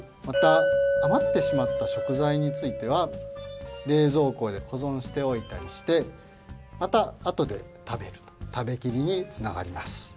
またあまってしまったしょくざいについてはれいぞうこでほぞんしておいたりしてまたあとで食べると食べキリにつながります。